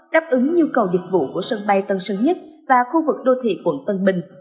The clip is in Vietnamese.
đáp ứng nhu cầu dịch vụ của sân bay tân sơn nhất và khu vực đô thị quận tân bình